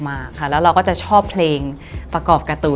มากค่ะแล้วเราก็จะชอบเพลงประกอบการ์ตูน